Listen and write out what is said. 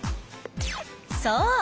そう！